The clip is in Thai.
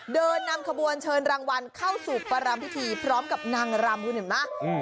เดินนำขบวนเชิญรางวัลเข้าสู่ประรำพิธีพร้อมกับนางรำคุณเห็นไหม